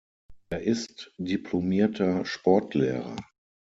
Er ist diplomierter Sportlehrer.